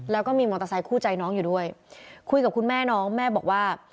แล้วก็มีมอเตอร์ไซคู่ใจน้องอยู่ด้วยคุยกับคุณแม่น้องแม่บอกว่า